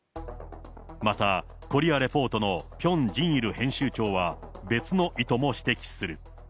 またコリア・レポートのピョン・ジンイル編集長は、別の意図